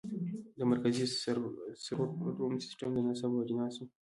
د مرکزي سرور روم سیسټم د نصب او اجناسو